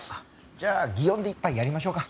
じゃあ祇園で一杯やりましょうか。